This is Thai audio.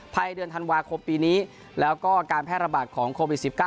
เดือนธันวาคมปีนี้แล้วก็การแพร่ระบาดของโควิด๑๙